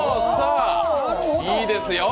いいですよ！